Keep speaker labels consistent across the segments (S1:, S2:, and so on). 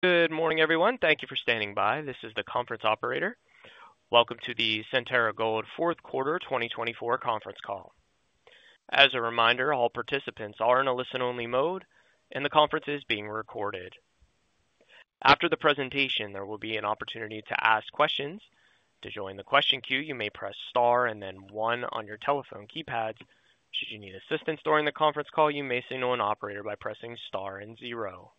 S1: Good morning, everyone. Thank you for standing by. This is the conference operator. Welcome to the Centerra Gold Fourth Quarter 2024 conference call. As a reminder, all participants are in a listen-only mode, and the conference is being recorded. After the presentation, there will be an opportunity to ask questions. To join the question queue, you may press star and then one on your telephone keypads. Should you need assistance during the conference call, you may signal an operator by pressing star and zero.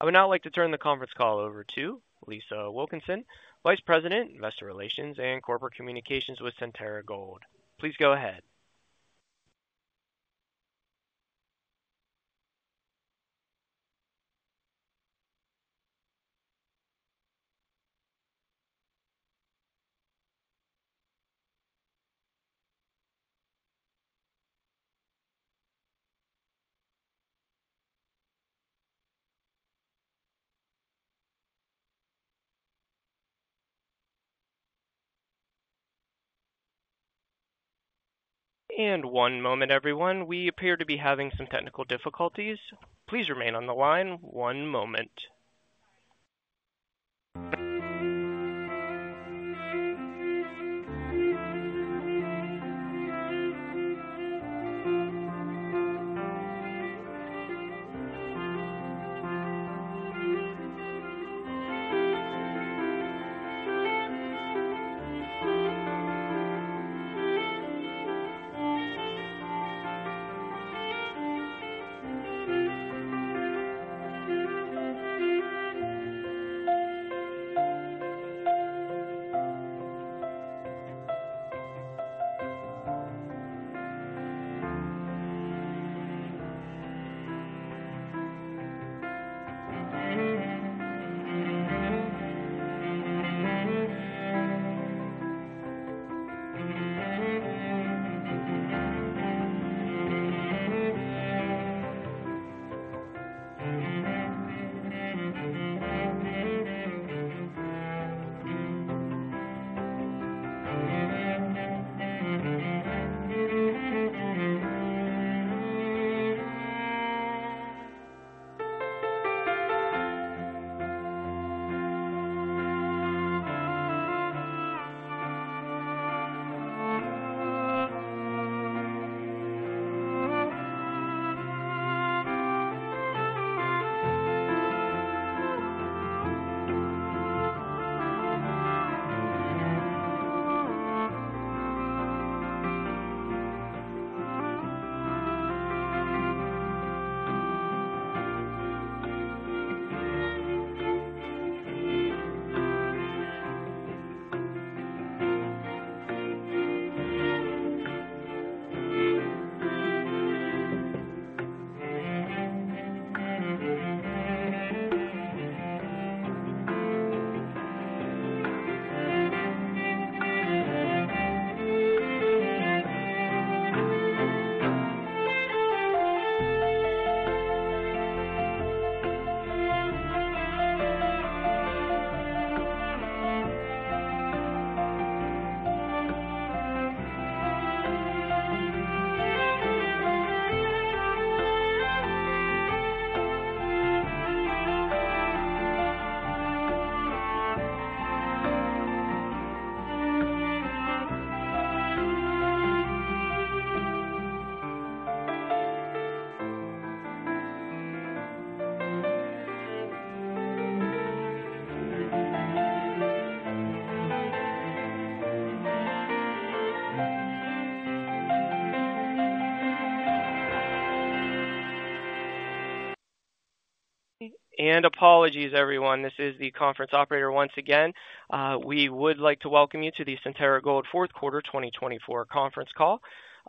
S1: I would now like to turn the conference call over to Lisa Wilkinson, Vice President, Investor Relations and Corporate Communications with Centerra Gold. Please go ahead. One moment, everyone. We appear to be having some technical difficulties. Please remain on the line one moment. Apologies, everyone. This is the conference operator once again. We would like to welcome you to the Centerra Gold Fourth Quarter 2024 conference call.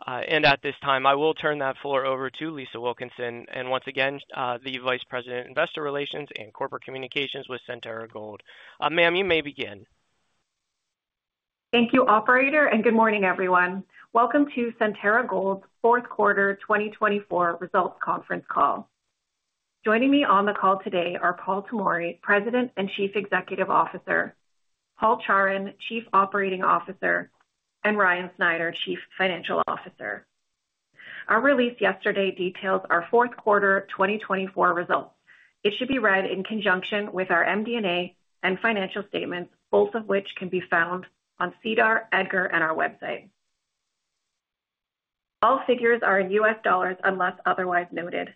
S1: And at this time, I will turn the floor over to Lisa Wilkinson, and once again, the Vice President, Investor Relations and Corporate Communications with Centerra Gold. Ma'am, you may begin.
S2: Thank you, Operator, and good morning, everyone. Welcome to Centerra Gold's Fourth Quarter 2024 results conference call. Joining me on the call today are Paul Tomory, President and Chief Executive Officer; Paul Chawrun, Chief Operating Officer; and Ryan Snyder, Chief Financial Officer. Our release yesterday details our fourth quarter 2024 results. It should be read in conjunction with our MD&A and financial statements, both of which can be found on SEDAR, EDGAR, and our website. All figures are in US dollars unless otherwise noted.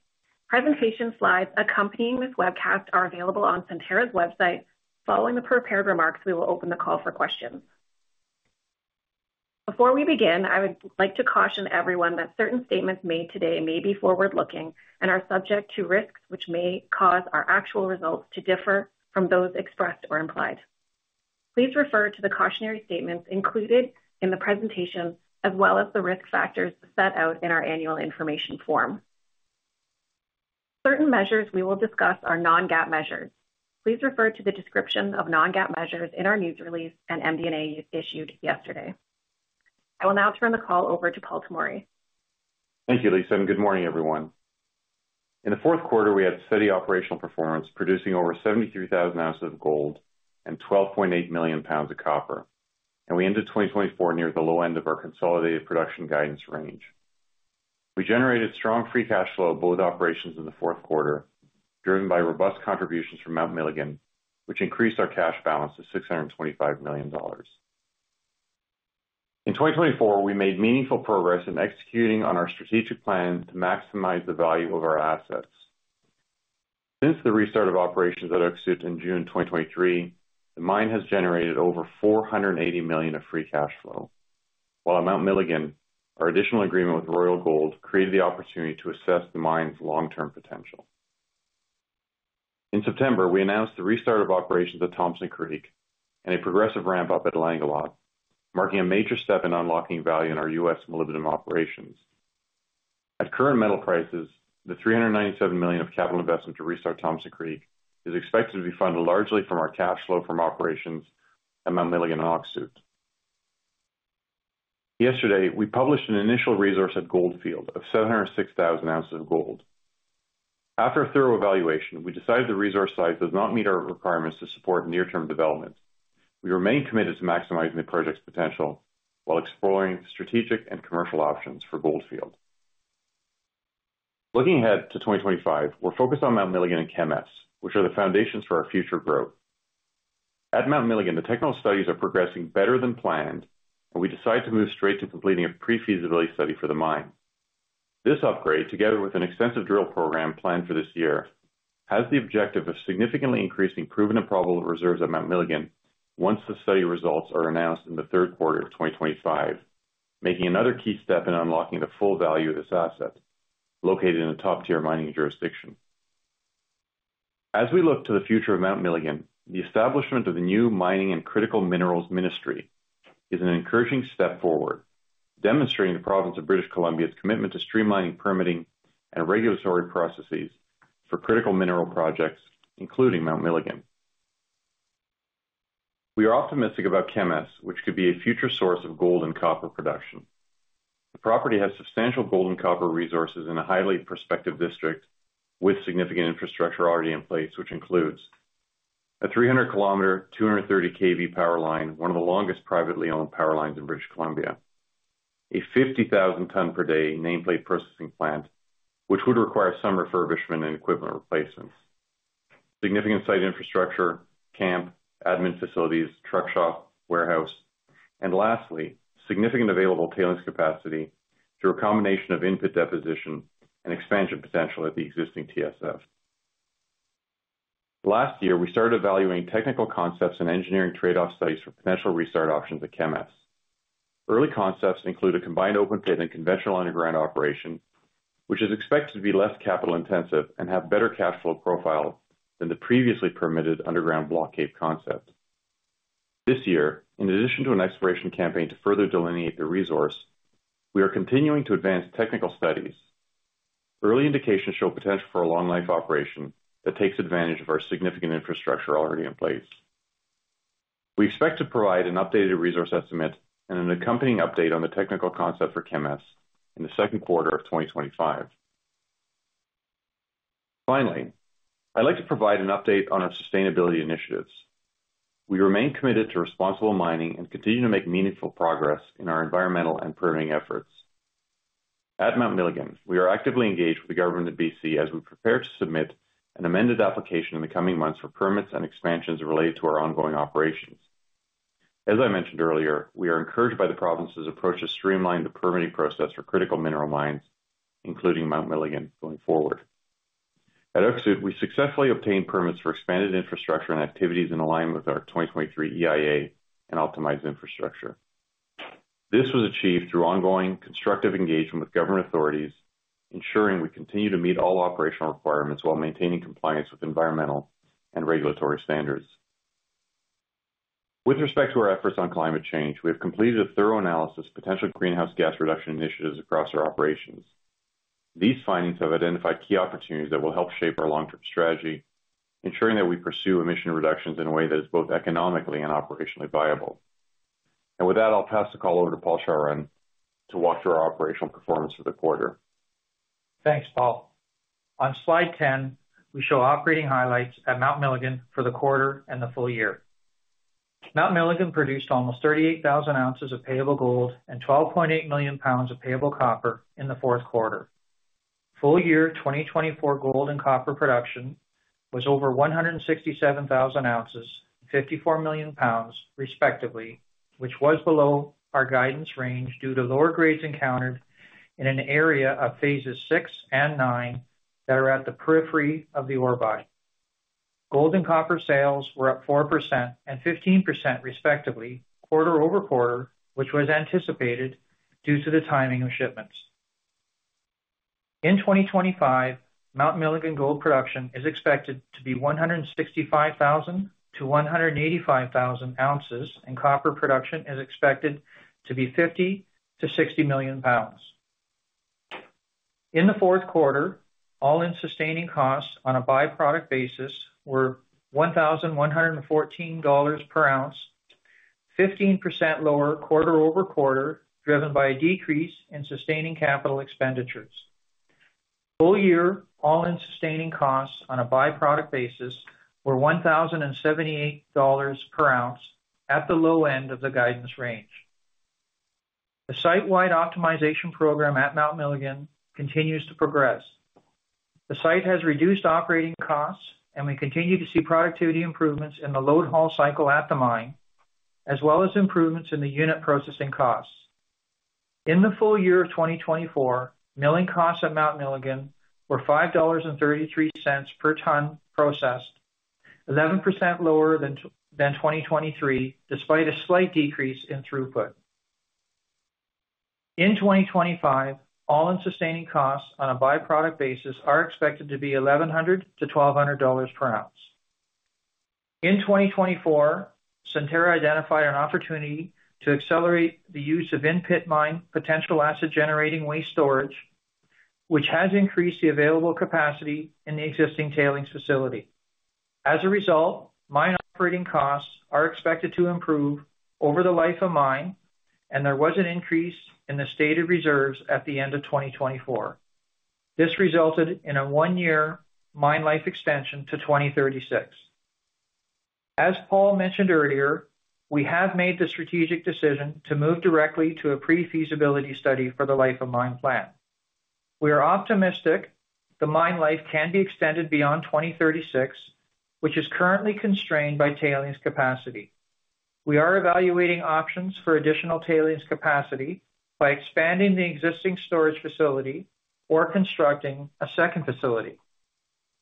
S2: Presentation slides accompanying this webcast are available on Centerra's website. Following the prepared remarks, we will open the call for questions. Before we begin, I would like to caution everyone that certain statements made today may be forward-looking and are subject to risks which may cause our actual results to differ from those expressed or implied. Please refer to the cautionary statements included in the presentation, as well as the risk factors set out in our Annual Information Form. Certain measures we will discuss are non-GAAP measures. Please refer to the description of non-GAAP measures in our news release and MD&A issued yesterday. I will now turn the call over to Paul Tomory.
S3: Thank you, Lisa, and good morning, everyone. In the fourth quarter, we had steady operational performance, producing over 73,000 oz. of gold and 12.8 million lbs. of copper, and we ended 2024 near the low end of our consolidated production guidance range. We generated strong free cash flow of both operations in the fourth quarter, driven by robust contributions from Mount Milligan, which increased our cash balance to $625 million. In 2024, we made meaningful progress in executing on our strategic plan to maximize the value of our assets. Since the restart of operations at Öksüt in June 2023, the mine has generated over $480 million of free cash flow, while at Mount Milligan, our additional agreement with Royal Gold created the opportunity to assess the mine's long-term potential. In September, we announced the restart of operations at Thompson Creek and a progressive ramp-up at Langeloth, marking a major step in unlocking value in our U.S. molybdenum operations. At current metal prices, the $397 million of capital investment to restart Thompson Creek is expected to be funded largely from our cash flow from operations at Mount Milligan and Öksüt. Yesterday, we published an initial resource at Goldfield of 706,000 oz. of gold. After a thorough evaluation, we decided the resource size does not meet our requirements to support near-term development. We remain committed to maximizing the project's potential while exploring strategic and commercial options for Goldfield. Looking ahead to 2025, we're focused on Mount Milligan and Kemess, which are the foundations for our future growth. At Mount Milligan, the technical studies are progressing better than planned, and we decide to move straight to completing a pre-feasibility study for the mine. This upgrade, together with an extensive drill program planned for this year, has the objective of significantly increasing proven and probable reserves at Mount Milligan once the study results are announced in the third quarter of 2025, making another key step in unlocking the full value of this asset, located in a top-tier mining jurisdiction. As we look to the future of Mount Milligan, the establishment of the new Mining and Critical Minerals Ministry is an encouraging step forward, demonstrating the Province of British Columbia's commitment to streamlining permitting and regulatory processes for critical mineral projects, including Mount Milligan. We are optimistic about Kemess, which could be a future source of gold and copper production. The property has substantial gold and copper resources in a highly prospective district with significant infrastructure already in place, which includes a 300-km, 230-kV power line, one of the longest privately owned power lines in British Columbia, a 50,000-ton-per-day nameplate processing plant, which would require some refurbishment and equipment replacements, significant site infrastructure, camp, admin facilities, truck shop, warehouse, and lastly, significant available tailings capacity through a combination of in-pit deposition and expansion potential at the existing TSF. Last year, we started evaluating technical concepts and engineering trade-off studies for potential restart options at Kemess. Early concepts include a combined open pit and conventional underground operation, which is expected to be less capital-intensive and have better cash flow profile than the previously permitted underground block cave concept. This year, in addition to an exploration campaign to further delineate the resource, we are continuing to advance technical studies. Early indications show potential for a long-life operation that takes advantage of our significant infrastructure already in place. We expect to provide an updated resource estimate and an accompanying update on the technical concept for Kemess in the second quarter of 2025. Finally, I'd like to provide an update on our sustainability initiatives. We remain committed to responsible mining and continue to make meaningful progress in our environmental and permitting efforts. At Mount Milligan, we are actively engaged with the Government of BC as we prepare to submit an amended application in the coming months for permits and expansions related to our ongoing operations. As I mentioned earlier, we are encouraged by the Province's approach to streamline the permitting process for critical mineral mines, including Mount Milligan, going forward. At Öksüt, we successfully obtained permits for expanded infrastructure and activities in alignment with our 2023 EIA and optimized infrastructure. This was achieved through ongoing constructive engagement with government authorities, ensuring we continue to meet all operational requirements while maintaining compliance with environmental and regulatory standards. With respect to our efforts on climate change, we have completed a thorough analysis of potential greenhouse gas reduction initiatives across our operations. These findings have identified key opportunities that will help shape our long-term strategy, ensuring that we pursue emission reductions in a way that is both economically and operationally viable, and with that, I'll pass the call over to Paul Chawrun to walk through our operational performance for the quarter.
S4: Thanks, Paul. On slide 10, we show operating highlights at Mount Milligan for the quarter and the full year. Mount Milligan produced almost 38,000 oz. of payable gold and 12.8 million lbs. of payable copper in the fourth quarter. Full-year 2024 gold and copper production was over 167,000 oz. and 54 million lbs., respectively, which was below our guidance range due to lower grades encountered in an area of Phases 6 and 9 that are at the periphery of the ore body. Gold and copper sales were up 4% and 15%, respectively, quarter-over-quarter, which was anticipated due to the timing of shipments. In 2025, Mount Milligan gold production is expected to be 165,000 oz.-185,000 oz., and copper production is expected to be 50 million lbs.-60 million lbs. In the fourth quarter, all-in sustaining costs on a byproduct basis were $1,114 per oz., 15% lower quarter-over-quarter, driven by a decrease in sustaining capital expenditures. Full-year all-in sustaining costs on a byproduct basis were $1,078 per oz., at the low end of the guidance range. The site-wide optimization program at Mount Milligan continues to progress. The site has reduced operating costs, and we continue to see productivity improvements in the load-haul cycle at the mine, as well as improvements in the unit processing costs. In the full year of 2024, milling costs at Mount Milligan were $5.33 per ton processed, 11% lower than 2023, despite a slight decrease in throughput. In 2025, all-in sustaining costs on a byproduct basis are expected to be $1,100-$1,200 per oz.. In 2024, Centerra identified an opportunity to accelerate the use of in-pit mine potential acid-generating waste storage, which has increased the available capacity in the existing tailings facility. As a result, mine operating costs are expected to improve over the Life of Mine, and there was an increase in the stated reserves at the end of 2024. This resulted in a one-year mine life extension to 2036. As Paul mentioned earlier, we have made the strategic decision to move directly to a pre-feasibility study for the Life of Mine plan. We are optimistic the mine life can be extended beyond 2036, which is currently constrained by tailings capacity. We are evaluating options for additional tailings capacity by expanding the existing storage facility or constructing a second facility.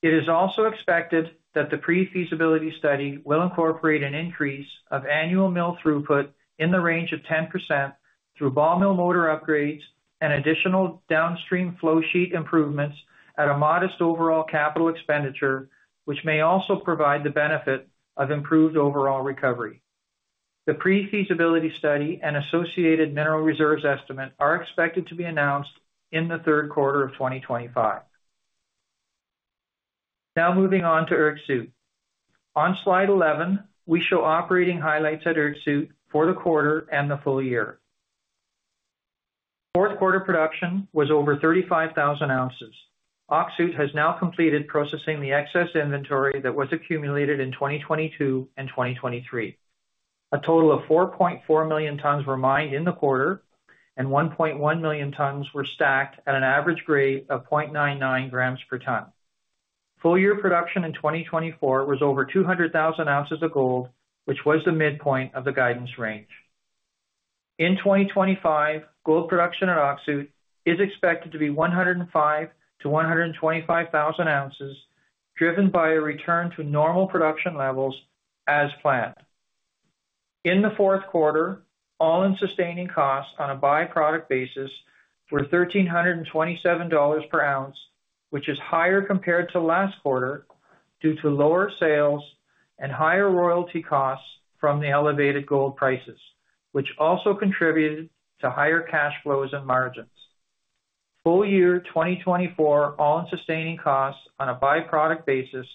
S4: It is also expected that the pre-feasibility study will incorporate an increase of annual mill throughput in the range of 10% through ball mill motor upgrades and additional downstream flow sheet improvements at a modest overall capital expenditure, which may also provide the benefit of improved overall recovery. The pre-feasibility study and associated mineral reserves estimate are expected to be announced in the third quarter of 2025. Now moving on to Öksüt. On slide 11, we show operating highlights at Öksüt for the quarter and the full year. Fourth quarter production was over 35,000 oz. Öksüt has now completed processing the excess inventory that was accumulated in 2022 and 2023. A total of 4.4 million tons were mined in the quarter, and 1.1 million tons were stacked at an average grade of 0.99 grams per ton. Full-year production in 2024 was over 200,000 oz. of gold, which was the midpoint of the guidance range. In 2025, gold production at Öksüt is expected to be 105,000 oz.-125,000 oz., driven by a return to normal production levels as planned. In the fourth quarter, all-in sustaining costs on a byproduct basis were $1,327 per oz., which is higher compared to last quarter due to lower sales and higher royalty costs from the elevated gold prices, which also contributed to higher cash flows and margins. Full-year 2024 all-in sustaining costs on a byproduct basis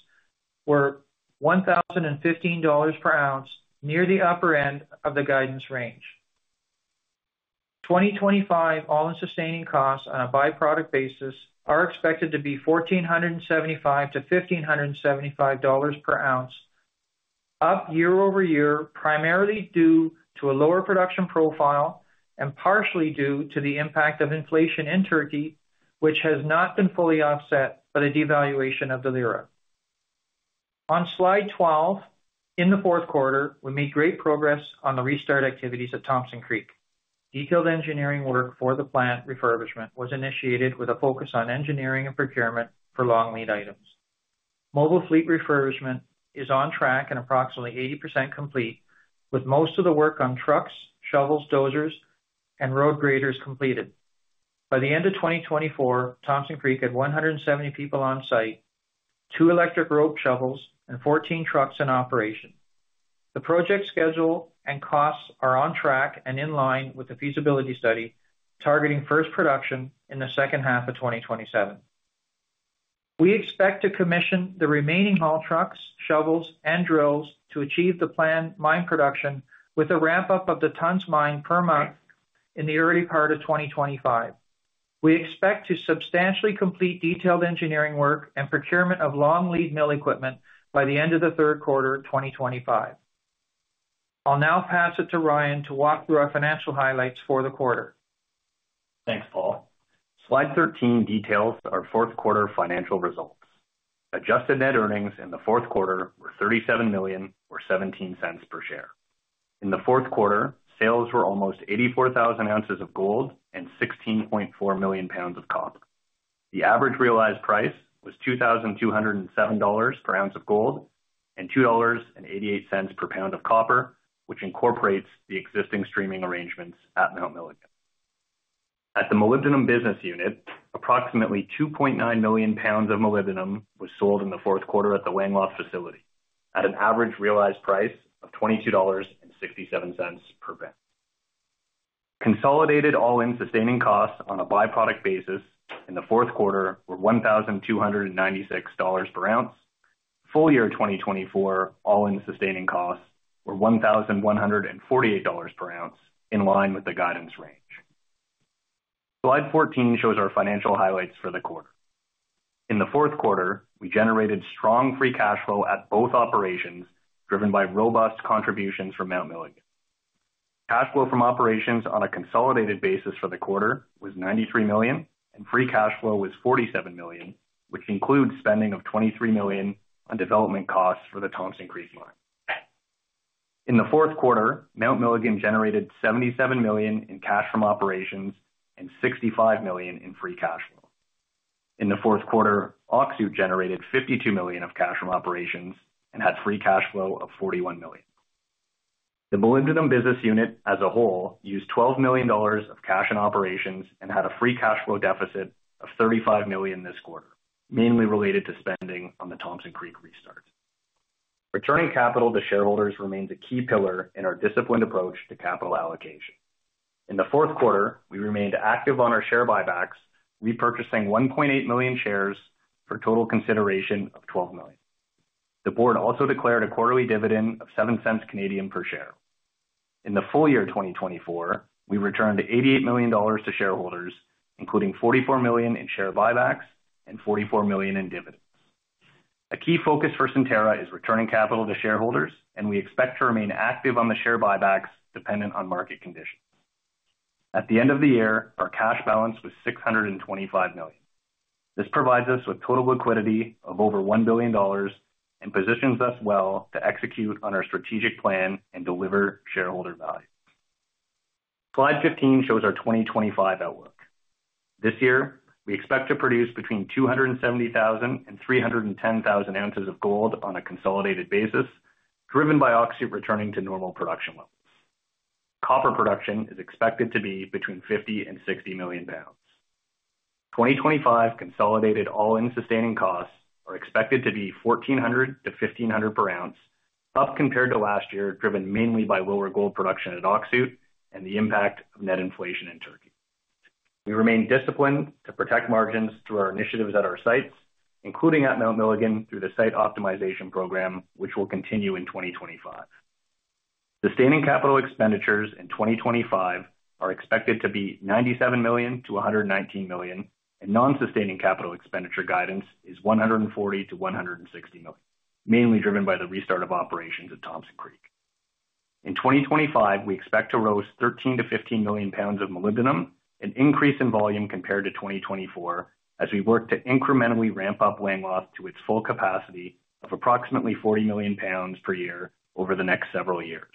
S4: were $1,015 per oz., near the upper end of the guidance range. 2025 all-in sustaining costs on a byproduct basis are expected to be $1,475-$1,575 per oz., up year-over-year primarily due to a lower production profile and partially due to the impact of inflation in Türkiye, which has not been fully offset by the devaluation of the lira. On slide 12, in the fourth quarter, we made great progress on the restart activities at Thompson Creek. Detailed engineering work for the plant refurbishment was initiated with a focus on engineering and procurement for long-lead items. Mobile fleet refurbishment is on track and approximately 80% complete, with most of the work on trucks, shovels, dozers, and road graders completed. By the end of 2024, Thompson Creek had 170 people on site, two electric rope shovels, and 14 trucks in operation. The project schedule and costs are on track and in line with the feasibility study, targeting first production in the second half of 2027. We expect to commission the remaining haul trucks, shovels, and drills to achieve the planned mine production with a ramp-up of the tons mined per month in the early part of 2025. We expect to substantially complete detailed engineering work and procurement of long-lead mill equipment by the end of the third quarter 2025. I'll now pass it to Ryan to walk through our financial highlights for the quarter.
S5: Thanks, Paul. Slide 13 details our fourth quarter financial results. Adjusted net earnings in the fourth quarter were $37.17 per share. In the fourth quarter, sales were almost 84,000 oz. of gold and 16.4 million lbs. of copper. The average realized price was $2,207 per oz. of gold and $2.88 per lb. of copper, which incorporates the existing streaming arrangements at Mount Milligan. At the Molybdenum Business Unit, approximately 2.9 million lbs of molybdenum was sold in the fourth quarter at the Langeloth facility at an average realized price of $22.67 per lb.. Consolidated all-in sustaining costs on a byproduct basis in the fourth quarter were $1,296 per oz.. Full-year 2024 all-in sustaining costs were $1,148 per oz., in line with the guidance range. Slide 14 shows our financial highlights for the quarter. In the fourth quarter, we generated strong free cash flow at both operations, driven by robust contributions from Mount Milligan. Cash flow from operations on a consolidated basis for the quarter was $93 million, and free cash flow was $47 million, which includes spending of $23 million on development costs for the Thompson Creek Mine. In the fourth quarter, Mount Milligan generated $77 million in cash from operations and $65 million in free cash flow. In the fourth quarter, Öksüt generated $52 million of cash from operations and had free cash flow of $41 million. The Molybdenum Business Unit as a whole used $12 million of cash in operations and had a free cash flow deficit of $35 million this quarter, mainly related to spending on the Thompson Creek restart. Returning capital to shareholders remains a key pillar in our disciplined approach to capital allocation. In the fourth quarter, we remained active on our share buybacks, repurchasing 1.8 million shares for a total consideration of $12 million. The board also declared a quarterly dividend of 0.07 per share. In the full year 2024, we returned $88 million to shareholders, including $44 million in share buybacks and $44 million in dividends. A key focus for Centerra is returning capital to shareholders, and we expect to remain active on the share buybacks dependent on market conditions. At the end of the year, our cash balance was $625 million. This provides us with total liquidity of over $1 billion and positions us well to execute on our strategic plan and deliver shareholder value. Slide 15 shows our 2025 outlook. This year, we expect to produce between 270,000 oz.-310,000 oz. of gold on a consolidated basis, driven by Öksüt returning to normal production levels. Copper production is expected to be between 50 and 60 million lbs. 2025 consolidated all-in sustaining costs are expected to be $1,400-$1,500 per oz., up compared to last year, driven mainly by lower gold production at Öksüt and the impact of net inflation in Türkiye. We remain disciplined to protect margins through our initiatives at our sites, including at Mount Milligan through the site optimization program, which will continue in 2025. Sustaining capital expenditures in 2025 are expected to be $97 million-$119 million, and non-sustaining capital expenditure guidance is $140 million-$160 million, mainly driven by the restart of operations at Thompson Creek. In 2025, we expect to roast 13 million lbs.-15 million lbs. of molybdenum, an increase in volume compared to 2024, as we work to incrementally ramp up Langeloth to its full capacity of approximately 40 million lbs per year over the next several years,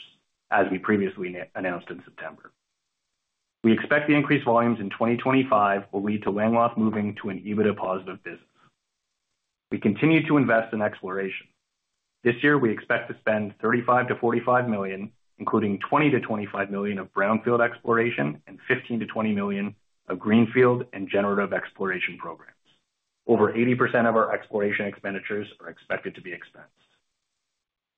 S5: as we previously announced in September. We expect the increased volumes in 2025 will lead to Langeloth moving to an EBITDA-positive business. We continue to invest in exploration. This year, we expect to spend $35 million-$45 million, including $20 million-$25 million of brownfield exploration and $15 million-$20 million of greenfield and generative exploration programs. Over 80% of our exploration expenditures are expected to be expensed.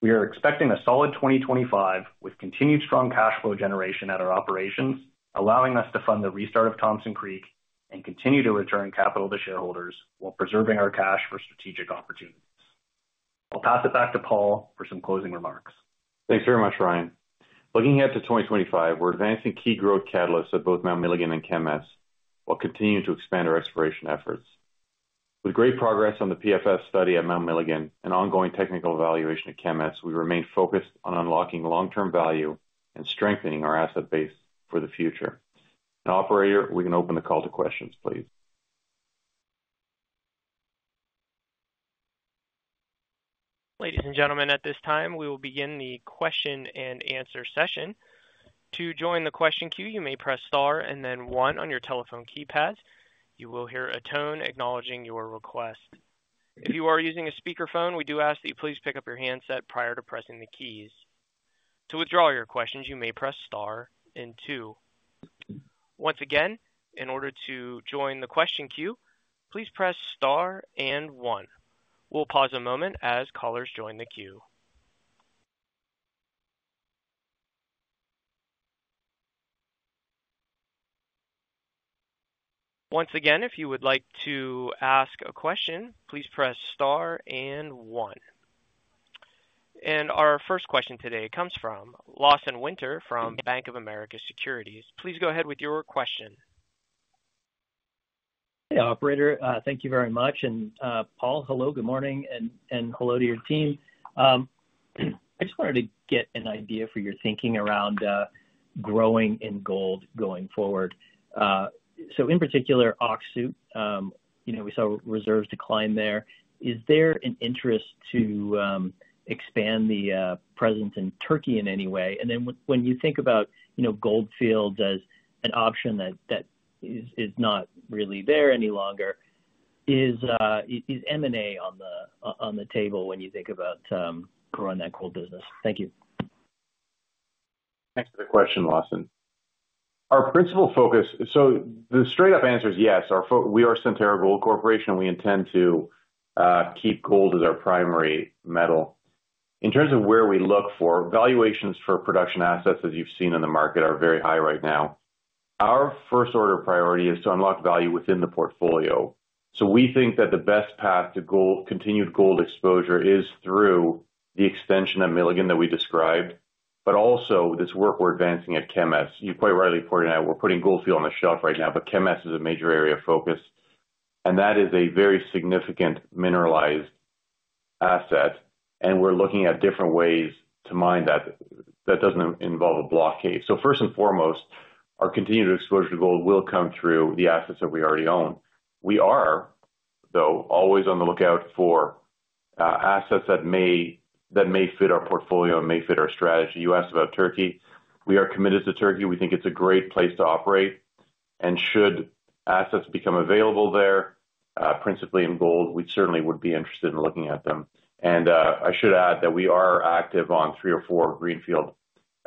S5: We are expecting a solid 2025 with continued strong cash flow generation at our operations, allowing us to fund the restart of Thompson Creek and continue to return capital to shareholders while preserving our cash for strategic opportunities. I'll pass it back to Paul for some closing remarks.
S3: Thanks very much, Ryan. Looking ahead to 2025, we're advancing key growth catalysts at both Mount Milligan and Kemess while continuing to expand our exploration efforts. With great progress on the PFS study at Mount Milligan and ongoing technical evaluation at Kemess, we remain focused on unlocking long-term value and strengthening our asset base for the future. Now, Operator, we can open the call to questions, please.
S1: Ladies and gentlemen, at this time, we will begin the question-and-answer session. To join the question queue, you may press star and then one on your telephone keypads. You will hear a tone acknowledging your request. If you are using a speakerphone, we do ask that you please pick up your handset prior to pressing the keys. To withdraw your questions, you may press star and two. Once again, in order to join the question queue, please press star and one. We'll pause a moment as callers join the queue. Once again, if you would like to ask a question, please press star and one. And our first question today comes from Lawson Winder from Bank of America Securities. Please go ahead with your question.
S6: Hey, Operator. Thank you very much. And Paul, hello, good morning, and hello to your team. I just wanted to get an idea for your thinking around growing in gold going forward. So in particular, Öksüt, we saw reserves decline there. Is there an interest to expand the presence in Türkiye in any way? And then when you think about Goldfield as an option that is not really there any longer, is M&A on the table when you think about growing that gold business? Thank you.
S3: Thanks for the question, Lawson. Our principal focus, so the straight-up answer is yes. We are Centerra Gold Corporation, and we intend to keep gold as our primary metal. In terms of where we look for, valuations for production assets, as you've seen in the market, are very high right now. Our first order of priority is to unlock value within the portfolio. So we think that the best path to continued gold exposure is through the extension at Milligan that we described, but also this work we're advancing at Kemess. You quite rightly pointed out, we're putting Goldfield on the shelf right now, but Kemess is a major area of focus. And that is a very significant mineralized asset, and we're looking at different ways to mine that. That doesn't involve a block cave. So first and foremost, our continued exposure to gold will come through the assets that we already own. We are, though, always on the lookout for assets that may fit our portfolio and may fit our strategy. You asked about Türkiye. We are committed to Türkiye. We think it's a great place to operate. And should assets become available there, principally in gold, we certainly would be interested in looking at them. And I should add that we are active on three or four greenfield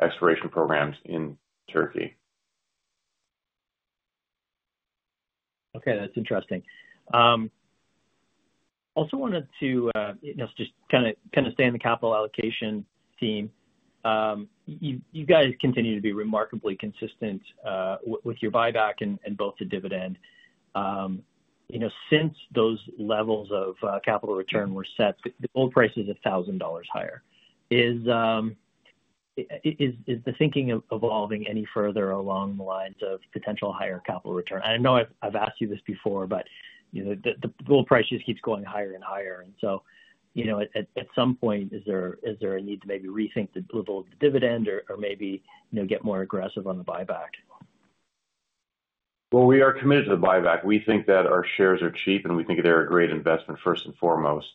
S3: exploration programs in Türkiye.
S6: Okay, that's interesting. Also wanted to just kind of stay in the capital allocation theme. You guys continue to be remarkably consistent with your buyback and both the dividend. Since those levels of capital return were set, the gold price is $1,000 higher. Is the thinking evolving any further along the lines of potential higher capital return? I know I've asked you this before, but the gold price just keeps going higher and higher. And so at some point, is there a need to maybe rethink the level of the dividend or maybe get more aggressive on the buyback?
S3: We are committed to the buyback. We think that our shares are cheap, and we think they're a great investment, first and foremost.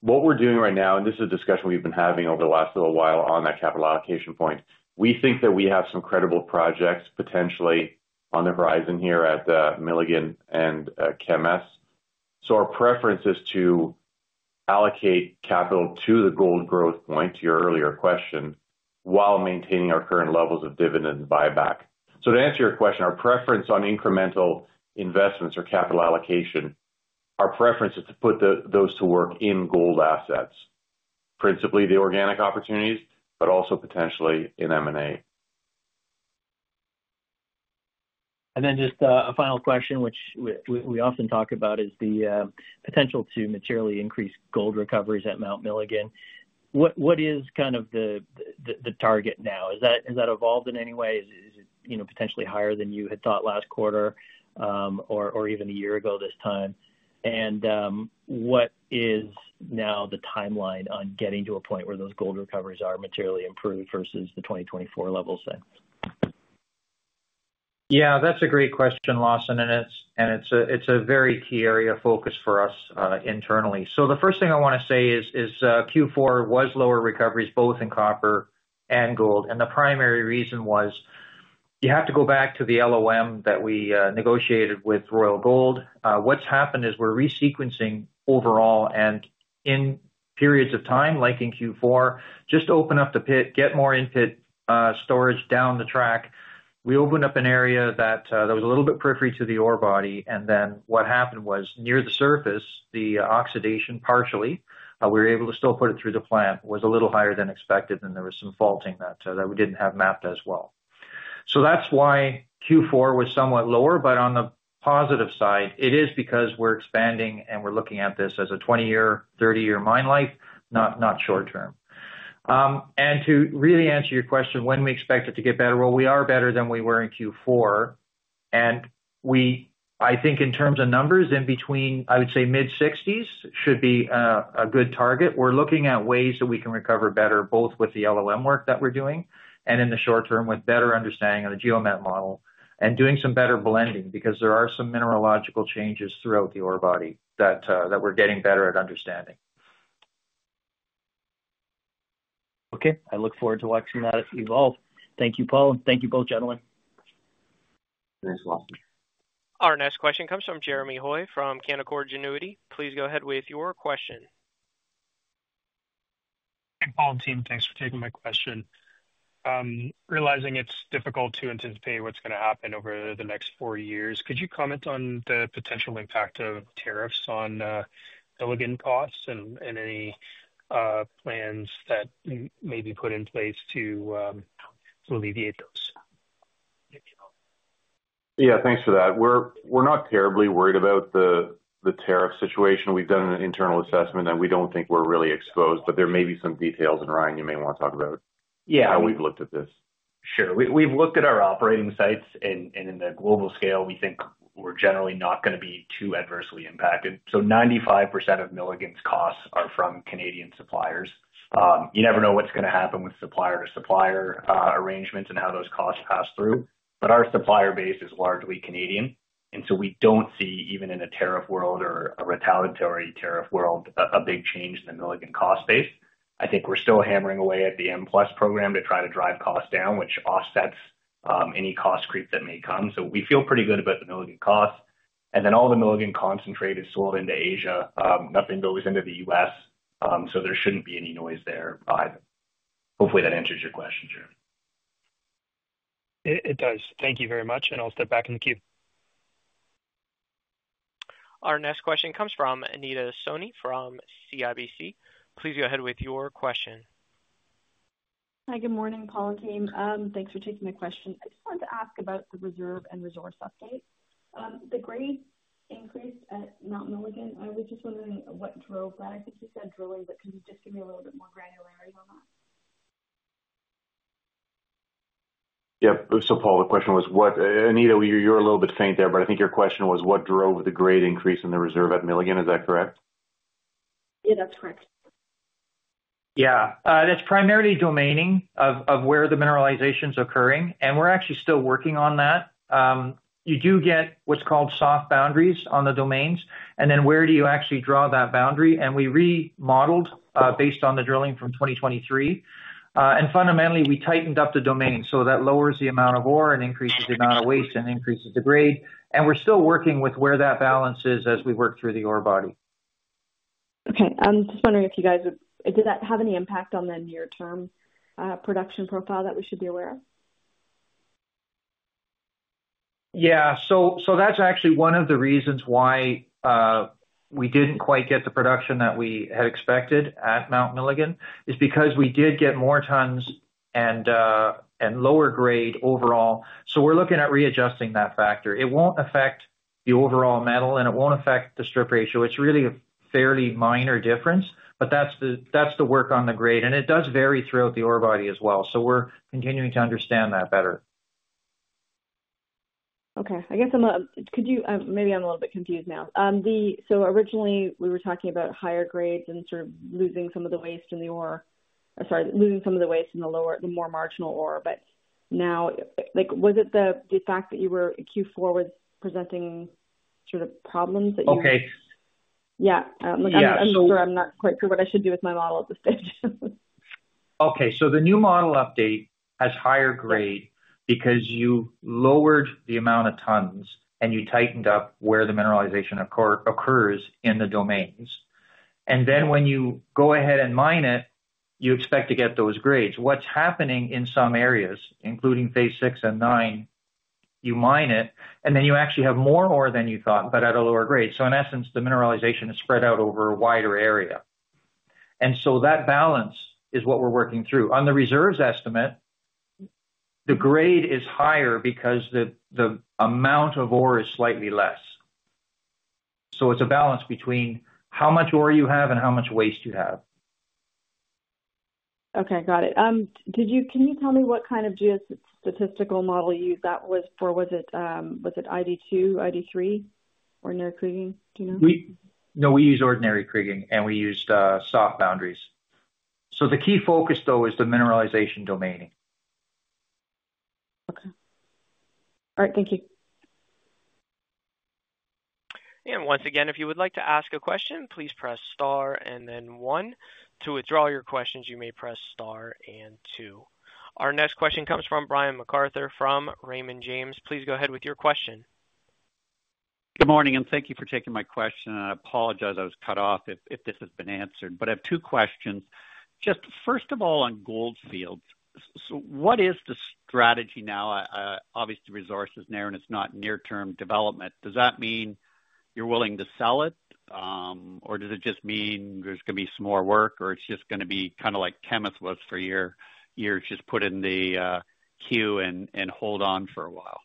S3: What we're doing right now, and this is a discussion we've been having over the last little while on that capital allocation point, we think that we have some credible projects potentially on the horizon here at Milligan and Kemess. Our preference is to allocate capital to the gold growth point, to your earlier question, while maintaining our current levels of dividend and buyback. To answer your question, our preference on incremental investments or capital allocation, our preference is to put those to work in gold assets, principally the organic opportunities, but also potentially in M&A.
S6: And then just a final question, which we often talk about, is the potential to materially increase gold recoveries at Mount Milligan? What is kind of the target now? Has that evolved in any way? Is it potentially higher than you had thought last quarter or even a year ago this time? And what is now the timeline on getting to a point where those gold recoveries are materially improved versus the 2024 levels then?
S5: Yeah, that's a great question, Lawson. And it's a very key area of focus for us internally. So the first thing I want to say is Q4 was lower recoveries, both in copper and gold. And the primary reason was you have to go back to the LOM that we negotiated with Royal Gold. What's happened is we're resequencing overall. And in periods of time, like in Q4, just open up the pit, get more in-pit storage down the track. We opened up an area that was a little bit peripheral to the ore body. And then what happened was near the surface, the oxidation partially, we were able to still put it through the plant, was a little higher than expected. And there was some faulting that we didn't have mapped as well. So that's why Q4 was somewhat lower. But on the positive side, it is because we're expanding and we're looking at this as a 20-year, 30-year mine life, not short-term. And to really answer your question, when we expect it to get better, well, we are better than we were in Q4. And I think in terms of numbers, in between, I would say mid-60s should be a good target. We're looking at ways that we can recover better, both with the LOM work that we're doing and in the short-term with better understanding of the geomet model and doing some better blending because there are some mineralogical changes throughout the ore body that we're getting better at understanding.
S6: Okay. I look forward to watching that evolve. Thank you, Paul, and thank you both, gentlemen.
S3: Thanks, Lawson.
S1: Our next question comes from Jeremy Hoy from Canaccord Genuity. Please go ahead with your question.
S7: Hey, Paul and team. Thanks for taking my question. Realizing it's difficult to anticipate what's going to happen over the next four years, could you comment on the potential impact of tariffs on Mount Milligan costs and any plans that may be put in place to alleviate those?
S3: Yeah, thanks for that. We're not terribly worried about the tariff situation. We've done an internal assessment, and we don't think we're really exposed. But there may be some details, and Ryan, you may want to talk about how we've looked at this.
S5: Sure. We've looked at our operating sites, and in the global scale, we think we're generally not going to be too adversely impacted. So 95% of Milligan's costs are from Canadian suppliers. You never know what's going to happen with supplier-to-supplier arrangements and how those costs pass through. But our supplier base is largely Canadian. And so we don't see, even in a tariff world or a retaliatory tariff world, a big change in the Milligan cost base. I think we're still hammering away at the M+ program to try to drive costs down, which offsets any cost creep that may come. So we feel pretty good about the Milligan costs. And then all the Milligan concentrate is sold into Asia. Nothing goes into the U.S., so there shouldn't be any noise there either. Hopefully, that answers your question, Jeremy.
S7: It does. Thank you very much, and I'll step back in the queue.
S1: Our next question comes from Anita Soni from CIBC. Please go ahead with your question.
S8: Hi, good morning, Paul and team. Thanks for taking the question. I just wanted to ask about the reserve and resource update. The grade increase at Mount Milligan, I was just wondering what drove that. I think you said drilling, but could you just give me a little bit more granularity on that?
S3: Yep. So Paul, the question was what, Anita, you're a little bit faint there, but I think your question was what drove the grade increase in the reserve at Milligan. Is that correct?
S8: Yeah, that's correct.
S4: Yeah. That's primarily domaining of where the mineralization is occurring. And we're actually still working on that. You do get what's called soft boundaries on the domains. And then where do you actually draw that boundary? And we remodeled based on the drilling from 2023. And fundamentally, we tightened up the domain. So that lowers the amount of ore and increases the amount of waste and increases the grade. And we're still working with where that balance is as we work through the ore body.
S8: Okay. I'm just wondering if you guys would. Does that have any impact on the near-term production profile that we should be aware of?
S4: Yeah. So that's actually one of the reasons why we didn't quite get the production that we had expected at Mount Milligan, because we did get more tons and lower grade overall. So we're looking at readjusting that factor. It won't affect the overall metal, and it won't affect the strip ratio. It's really a fairly minor difference, but that's the work on the grade. And it does vary throughout the ore body as well. So we're continuing to understand that better.
S8: Okay. I guess maybe I'm a little bit confused now, so originally, we were talking about higher grades and sort of losing some of the waste in the ore, sorry, losing some of the waste in the more marginal ore, but now, was it the fact that Q4 was presenting sort of problems that you?
S4: Okay.
S8: Yeah. I'm not sure. I'm not quite sure what I should do with my model at this stage.
S4: Okay. So the new model update has higher grade because you lowered the amount of tons, and you tightened up where the mineralization occurs in the domains. And then when you go ahead and mine it, you expect to get those grades. What's happening in some areas, including phase six and nine, you mine it, and then you actually have more ore than you thought, but at a lower grade. So in essence, the mineralization is spread out over a wider area. And so that balance is what we're working through. On the reserves estimate, the grade is higher because the amount of ore is slightly less. So it's a balance between how much ore you have and how much waste you have.
S8: Okay. Got it. Can you tell me what kind of statistical model you used that was for? Was it ID2, ID3, ordinary kriging? Do you know?
S4: No, we used ordinary kriging, and we used soft boundaries. So the key focus, though, is the mineralization domaining.
S8: Okay. All right. Thank you.
S1: And once again, if you would like to ask a question, please press star and then one. To withdraw your questions, you may press star and two. Our next question comes from Brian MacArthur from Raymond James. Please go ahead with your question.
S9: Good morning, and thank you for taking my question. And I apologize. I was cut off if this has been answered. But I have two questions. Just first of all, on Goldfield, what is the strategy now? Obviously, resource is there, and it's not near-term development. Does that mean you're willing to sell it, or does it just mean there's going to be some more work, or it's just going to be kind of like Kemess was for years, just put in the queue and hold on for a while?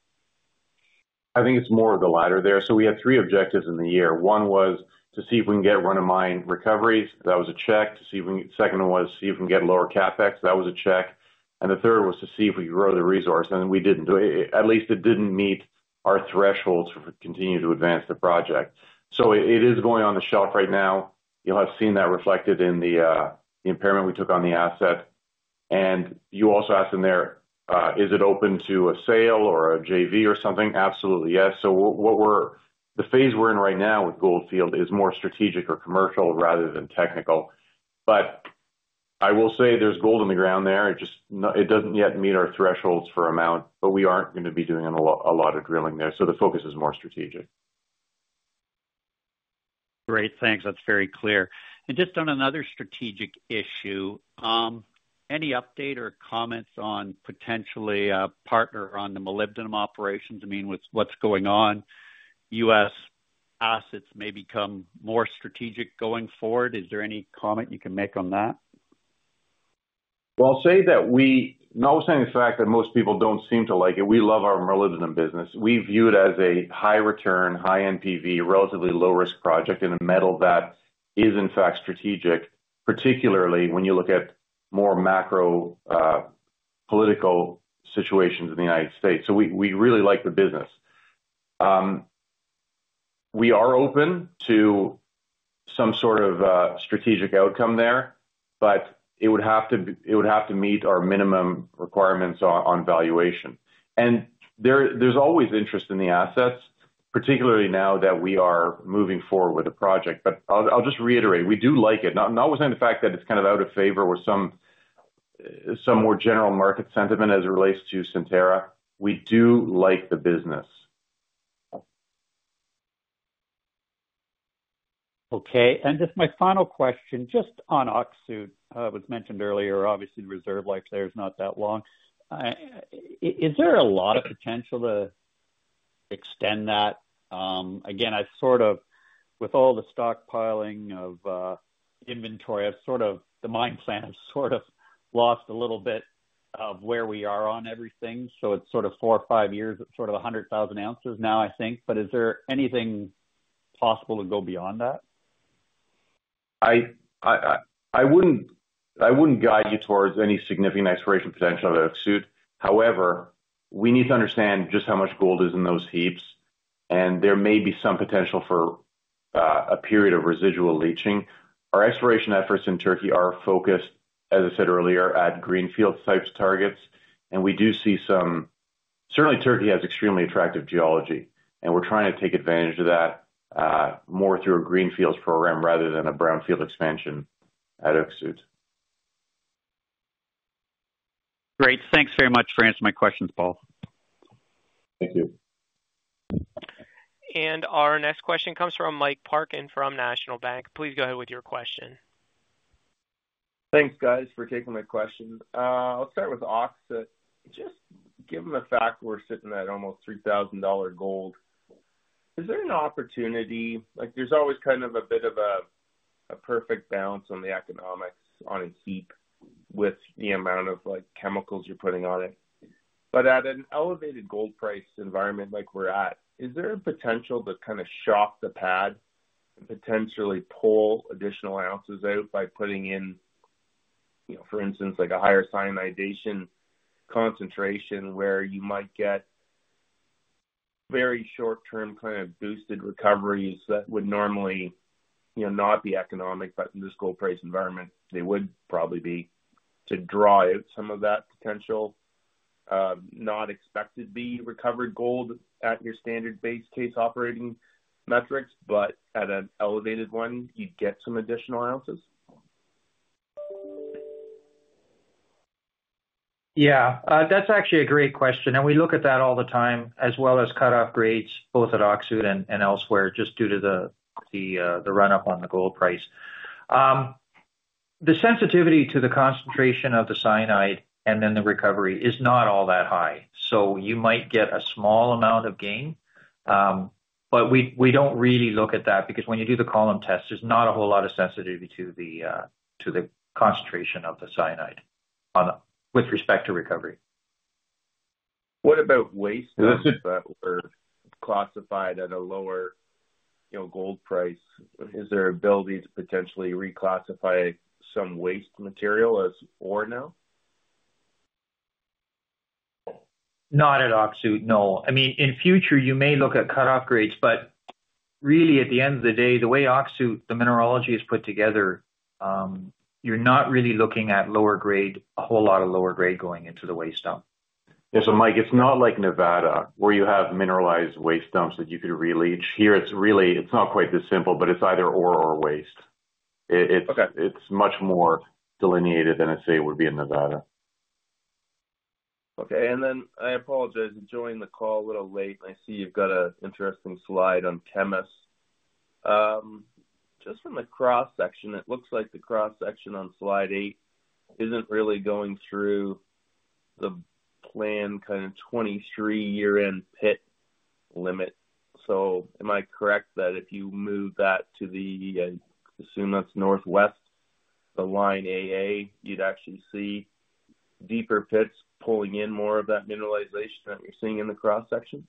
S3: I think it's more of the latter there, so we had three objectives in the year. One was to see if we can get run-of-mine recoveries. That was a check. The second one was to see if we can get lower CapEx, that was a check, and the third was to see if we could grow the resource, and we didn't. At least it didn't meet our thresholds for continuing to advance the project, so it is going on the shelf right now. You'll have seen that reflected in the impairment we took on the asset, and you also asked in there, is it open to a sale or a JV or something? Absolutely, yes, so the phase we're in right now with Goldfield is more strategic or commercial rather than technical. But I will say there's gold in the ground there. It doesn't yet meet our thresholds for amount, but we aren't going to be doing a lot of drilling there, so the focus is more strategic.
S9: Great. Thanks. That's very clear. And just on another strategic issue, any update or comments on potentially a partner on the molybdenum operations? I mean, with what's going on, U.S. assets may become more strategic going forward. Is there any comment you can make on that?
S3: I'll say that we know some fact that most people don't seem to like it. We love our molybdenum business. We view it as a high-return, high-NPV, relatively low-risk project in a metal that is, in fact, strategic, particularly when you look at more macro political situations in the U.S. We really like the business. We are open to some sort of strategic outcome there, but it would have to meet our minimum requirements on valuation. There's always interest in the assets, particularly now that we are moving forward with the project. I'll just reiterate, we do like it. Notwithstanding the fact that it's kind of out of favor with some more general market sentiment as it relates to Centerra. We do like the business.
S9: Okay. And just my final question, just on Öksüt, it was mentioned earlier, obviously, the reserve life there is not that long. Is there a lot of potential to extend that? Again, with all the stockpiling of inventory, the mine plan has sort of lost a little bit of where we are on everything. So it's sort of four or five years at sort of 100,000 oz. now, I think. But is there anything possible to go beyond that?
S3: I wouldn't guide you towards any significant exploration potential at Öksüt. However, we need to understand just how much gold is in those heaps, and there may be some potential for a period of residual leaching. Our exploration efforts in Türkiye are focused, as I said earlier, at greenfield-type targets, and we do see some certainly, Türkiye has extremely attractive geology, and we're trying to take advantage of that more through a greenfields program rather than a brownfield expansion at Öksüt.
S9: Great. Thanks very much for answering my questions, Paul.
S3: Thank you.
S1: Our next question comes from Mike Parkin from National Bank. Please go ahead with your question.
S10: Thanks, guys, for taking my question. I'll start with Öksüt. Just given the fact we're sitting at almost $3,000 gold, is there an opportunity? There's always kind of a bit of a perfect balance on the economics on a heap with the amount of chemicals you're putting on it. But at an elevated gold price environment like we're at, is there a potential to kind of shock the pad and potentially pull additional ounces out by putting in, for instance, a higher cyanidation concentration where you might get very short-term kind of boosted recoveries that would normally not be economic, but in this gold price environment, they would probably be to draw out some of that potential, not expected to be recovered gold at your standard base case operating metrics, but at an elevated one, you'd get some additional ounces?
S4: Yeah. That's actually a great question, and we look at that all the time, as well as cut-off grades, both at Öksüt and elsewhere, just due to the run-up on the gold price. The sensitivity to the concentration of the cyanide and then the recovery is not all that high. So you might get a small amount of gain, but we don't really look at that because when you do the column test, there's not a whole lot of sensitivity to the concentration of the cyanide with respect to recovery.
S10: What about waste that were classified at a lower gold price? Is there an ability to potentially reclassify some waste material as ore now?
S4: Not at Öksüt, no. I mean, in future, you may look at cut-off grades, but really, at the end of the day, the way Öksüt, the mineralogy, is put together, you're not really looking at a whole lot of lower grade going into the waste dump.
S3: Yeah. So Mike, it's not like Nevada where you have mineralized waste dumps that you could re-leach. Here, it's not quite this simple, but it's either ore or waste. It's much more delineated than, I'd say, it would be in Nevada.
S10: Okay. Then I apologize. I'm joining the call a little late. I see you've got an interesting slide on Kemess. Just from the cross-section, it looks like the cross-section on slide eight isn't really going through the planned kind of 2023 year-end pit limit. So am I correct that if you move that to the, I assume that's northwest, the line AA, you'd actually see deeper pits pulling in more of that mineralization that you're seeing in the cross-section?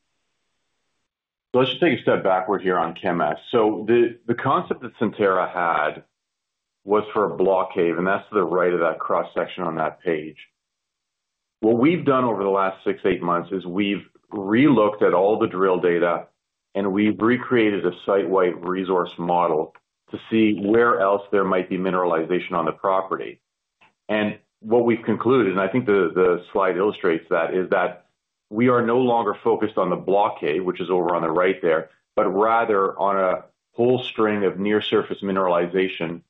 S3: Let's just take a step backward here on Kemess. The concept that Centerra had was for a block cave, and that's to the right of that cross-section on that page. What we've done over the last six, eight months is we've relooked at all the drill data, and we've recreated a site-wide resource model to see where else there might be mineralization on the property. What we've concluded, and I think the slide illustrates that, is that we are no longer focused on the block cave, which is over on the right there, but rather on a whole string of near-surface mineralization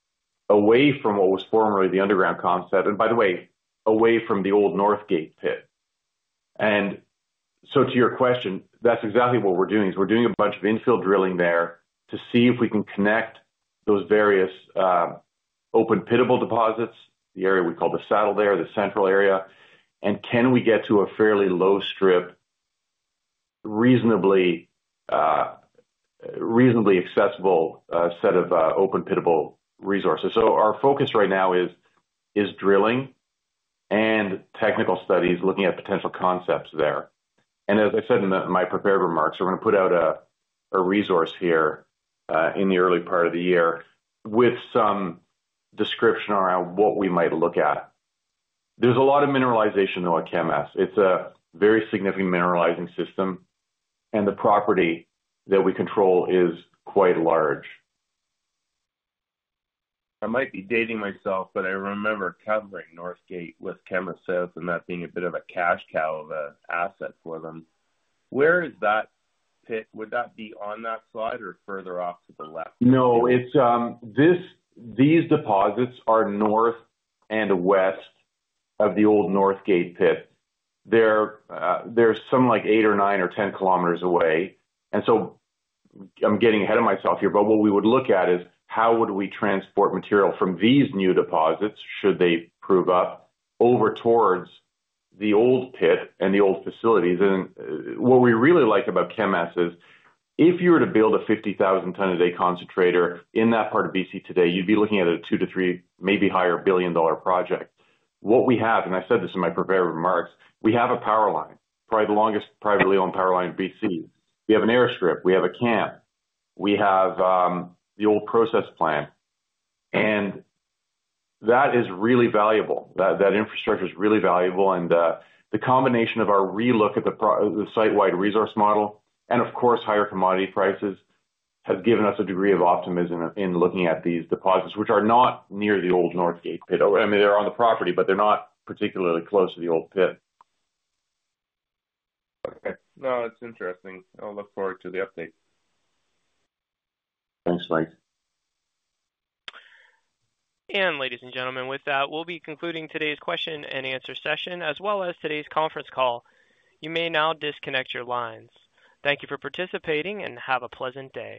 S3: away from what was formerly the underground Kemess setup. And by the way, away from the old Northgate pit. To your question, that's exactly what we're doing. We're doing a bunch of infill drilling there to see if we can connect those various open-pittable deposits, the area we call the saddle there, the central area. And can we get to a fairly low strip, reasonably accessible set of open-pittable resources? So our focus right now is drilling and technical studies, looking at potential concepts there. And as I said in my prepared remarks, we're going to put out a resource here in the early part of the year with some description around what we might look at. There's a lot of mineralization, though, at Kemess. It's a very significant mineralizing system, and the property that we control is quite large.
S10: I might be dating myself, but I remember covering Northgate with Kemess and that being a bit of a cash cow of an asset for them. Where is that pit? Would that be on that slide or further off to the left?
S3: No. These deposits are north and west of the old Northgate pit. They're something like eight or nine or 10 km away, and so I'm getting ahead of myself here. But what we would look at is how would we transport material from these new deposits, should they prove up, over towards the old pit and the old facilities, and what we really like about Kemess is if you were to build a 50,000 ton-a-day concentrator in that part of BC today, you'd be looking at a two to three, maybe higher billion-dollar project. What we have, and I said this in my prepared remarks, we have a power line, probably the longest privately-owned power line in BC. We have an airstrip. We have a camp. We have the old process plant. And that is really valuable. That infrastructure is really valuable. The combination of our relook at the site-wide resource model and, of course, higher commodity prices has given us a degree of optimism in looking at these deposits, which are not near the old Northgate pit. I mean, they're on the property, but they're not particularly close to the old pit.
S10: Okay. No, it's interesting. I'll look forward to the update.
S3: Thanks, Mike.
S1: And ladies and gentlemen, with that, we'll be concluding today's question-and-answer session as well as today's conference call. You may now disconnect your lines. Thank you for participating and have a pleasant day.